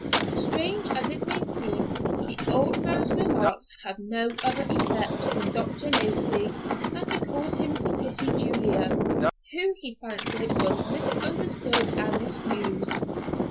Strange as it may seem, the old man's remarks had no other effect on Dr. Lacey than to cause him to pity Julia, who he fancied was misunderstood and misused.